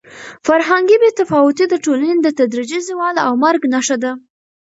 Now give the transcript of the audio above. فرهنګي بې تفاوتي د ټولنې د تدریجي زوال او مرګ نښه ده.